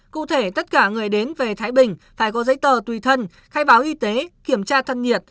cụ thể tất cả người đến về thái bình phải có giấy tờ tùy thân khai báo y tế kiểm tra thân nhiệt